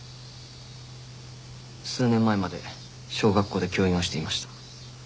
数年前まで小学校で教員をしていました。